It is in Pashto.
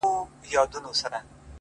زه مي د ميني په نيت وركړمه زړه،